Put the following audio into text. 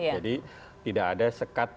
jadi tidak ada sekat